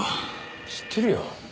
知ってるよ。